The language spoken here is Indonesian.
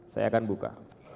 saya akan buka